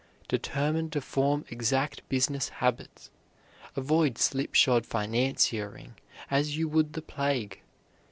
Determine to form exact business habits. Avoid slipshod financiering as you would the plague.